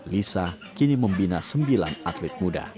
lisa kini membina sembilan atlet muda